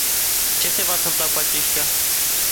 Ce se va întâmpla cu aceștia?